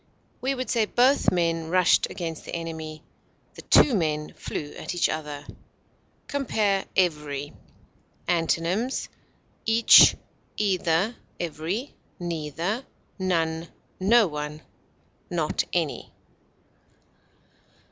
We would say both men rushed against the enemy; the two men flew at each other. Compare EVERY. Antonyms: each, either, every, neither, none, no one, not any.